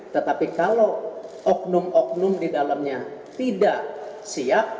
tetapi kalau oknum oknum di dalamnya tidak siap